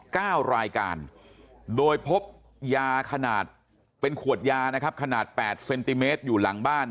เก้ารายการโดยพบยาขนาดเป็นขวดยานะครับขนาดแปดเซนติเมตรอยู่หลังบ้าน